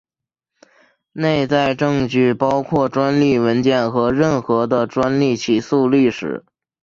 内在证据包括专利文件和任何的专利起诉历史。